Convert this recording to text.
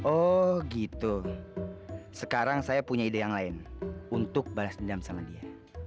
oh gitu sekarang saya punya ide yang lain untuk balas dendam sama dia